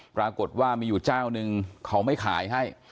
ปรากฏว่ามีอยู่เจ้านึงเขาไม่ขายให้